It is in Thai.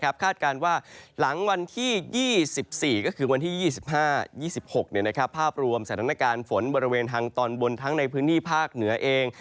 คาดการณ์ว่าหลังวันที่๒๔ก็คือวันที่๒๕๒๖ภาพรวมสถานการณ์ฝนบริเวณทางตอนบนทั้งในพื้นที่ภาคเหนือเอง